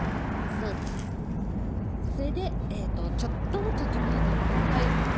それでちょっと整えてみてください。